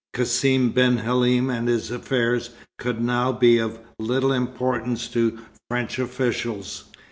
Cassim ben Halim and his affairs could now be of little importance to French officials.